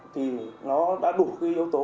thì nó đã đủ yếu tố